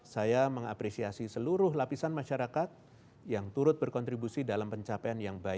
saya mengapresiasi seluruh lapisan masyarakat yang turut berkontribusi dalam pencapaian yang baik